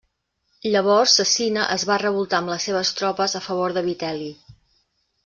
Llavors Cecina es va revoltar amb les seves tropes a favor de Vitel·li.